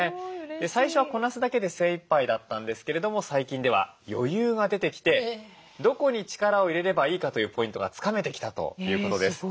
最初はこなすだけで精いっぱいだったんですけれども最近では余裕が出てきてどこに力を入れればいいかというポイントがつかめてきたということです。